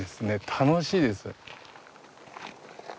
楽しいです。